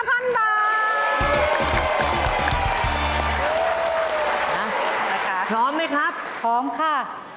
พร้อมไหมครับพร้อมค่ะ